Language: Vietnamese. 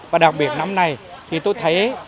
và đặc biệt năm nay tôi thấy